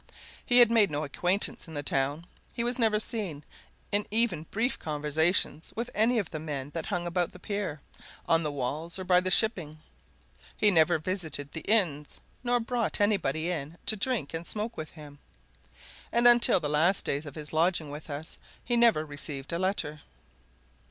He made no acquaintance in the town. He was never seen in even brief conversation with any of the men that hung about the pier, on the walls, or by the shipping. He never visited the inns, nor brought anybody in to drink and smoke with him. And until the last days of his lodging with us he never received a letter.